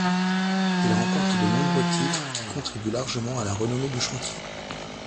Ils remportent de nombreux titres, qui contribuent largement à la renommée du chantier.